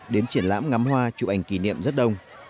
đến triển lãm ngắm hoa chụp ảnh kỷ niệm rất đông